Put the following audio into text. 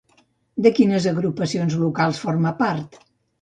De quines agrupacions locals forma part?